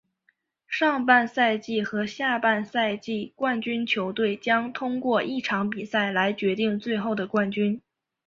上半赛季和下半赛季冠军球队将通过一场比赛来决定最后的冠军。